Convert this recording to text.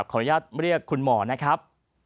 ขออนุญาตเรียกคุณหมอนะครับ